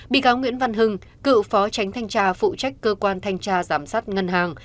bị cáo nguyễn văn hưng cựu phó tránh thanh tra phụ trách cơ quan thanh tra giám sát ngân hàng